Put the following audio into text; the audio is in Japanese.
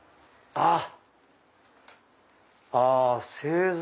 あっ。